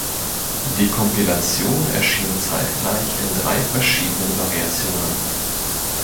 Die Kompilation erschien zeitgleich in drei verschiedenen Variationen.